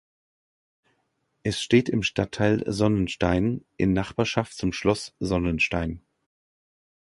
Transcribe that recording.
Es steht im Stadtteil Sonnenstein in Nachbarschaft zum Schloss Sonnenstein.